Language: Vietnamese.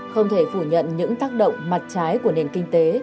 không thể phủ nhận những tác động mặt trái của nền kinh tế